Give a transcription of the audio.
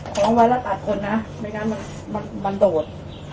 ของวันละ๘คนนะไม่งั้นมันโดด